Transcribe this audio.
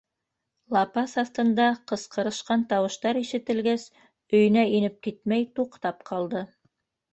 Лапаҫ аҫтында ҡысҡырышҡан тауыштар ишетелгәс, өйөнә инеп китмәй, туҡтап ҡалды.